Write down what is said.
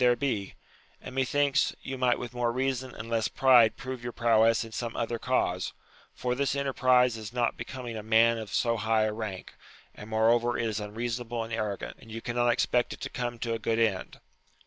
there be ; and, methinks, you might with more reason and less pride prove your prowess in some other cause, for this enterprize is not becoming a man of so high a rank, and moreover it is unreasonable and arrogant, and you cannot expect it to come to a good end.